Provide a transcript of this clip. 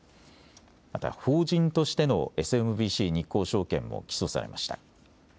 また法人としてのＳＭＢＣ日興証券も起訴されました。